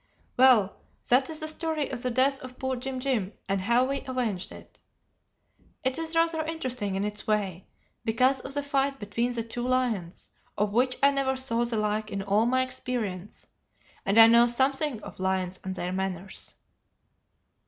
"Well, that is the story of the death of poor Jim Jim and how we avenged it. It is rather interesting in its way, because of the fight between the two lions, of which I never saw the like in all my experience, and I know something of lions and their manners."